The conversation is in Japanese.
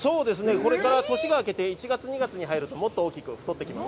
これから年が明けて１月２月に入るともっと大きく太ってきます。